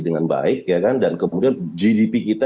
dengan baik ya kan dan kemudian gdp kita